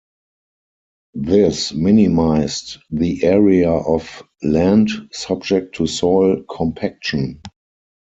This minimized the area of land subject to soil compaction.